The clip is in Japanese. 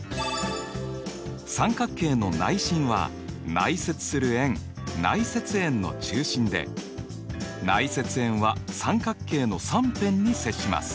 三角形の内心は内接する円内接円の中心で内接円は三角形の３辺に接します。